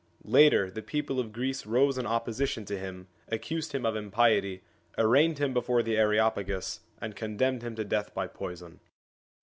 Later the people of Greece rose in opposition to him, accused him of impiety, arraigned him before the Areopagus, and condemned him to death by poison.